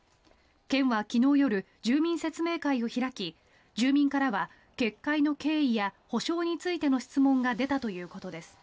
県は昨日夜、住民説明会を開き住民からは決壊の経緯や補償についての質問が出たということです。